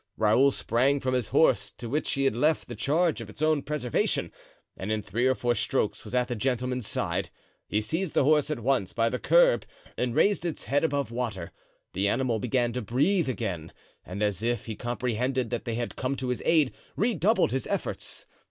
Raoul sprang from his horse, to which he left the charge of its own preservation, and in three or four strokes was at the gentleman's side; he seized the horse at once by the curb and raised its head above water; the animal began to breathe again and, as if he comprehended that they had come to his aid, redoubled his efforts.